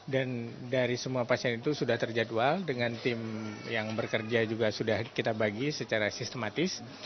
dan dari semua pasien itu sudah terjadwal dengan tim yang bekerja juga sudah kita bagi secara sistematis